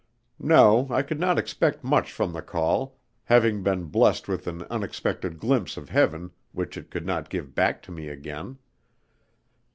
No, I could not expect much from the call, having been blessed with an unexpected glimpse of heaven which it could not give back to me again.